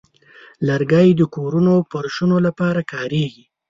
لرګی د کورونو فرشونو لپاره کاریږي.